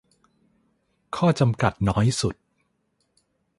ข้อจำกัดน้อยสุด